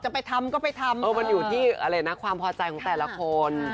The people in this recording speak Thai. จะไปทำก็ไปทำมันอยู่ที่ความพอใจของแต่ละคน